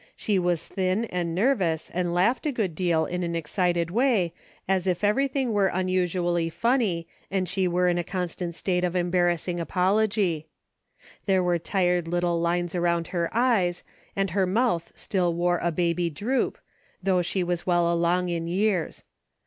She was thin and nervous and laughed a good deal in an excited way, as if everything were un usually funny, and she were in a constant state of embarrassing apology. There were tired little lines around her eyes, and her mouth still wore a baby droop, though she was well along in years.